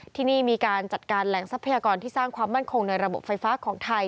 ที่นี่มีการจัดการแหล่งทรัพยากรที่สร้างความมั่นคงในระบบไฟฟ้าของไทย